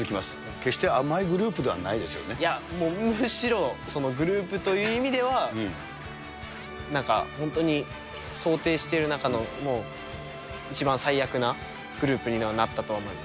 決して甘いグループではなむしろグループという意味では、なんか本当に想定している中のもう一番最悪なグループに放ったとは思います。